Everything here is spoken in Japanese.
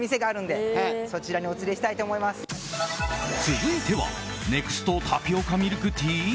続いてはネクストタピオカミルクティー？